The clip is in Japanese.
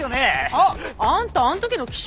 あっあんたあん時の記者。